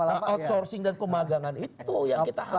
outsourcing dan pemagangan itu yang kita harus